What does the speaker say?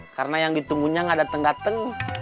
karena yang ditunggunya nggak dateng dateng